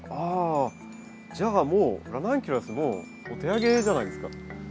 あじゃあもうラナンキュラスもうお手上げじゃないですか？